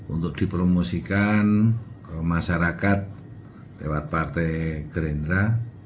untuk dipromosikan ke masyarakat lewat partai gerindra